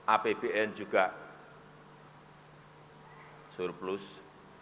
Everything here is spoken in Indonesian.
apbn juga berhasil